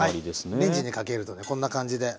レンジにかけるとねこんな感じで。